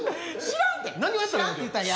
知らんて。